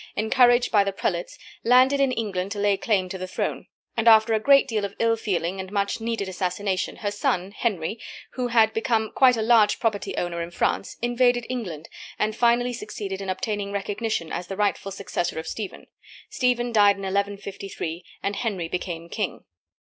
encouraged by the prelates, landed in England to lay claim to the throne, and after a great deal of ill feeling and much needed assassination, her son Henry, who had become quite a large property owner in France, invaded England, and finally succeeded in obtaining recognition as the rightful successor of Stephen. Stephen died in 1153, and Henry became king.